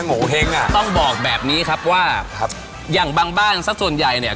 โงเห้งอ่ะต้องบอกแบบนี้ครับว่าครับอย่างบางบ้านสักส่วนใหญ่เนี่ย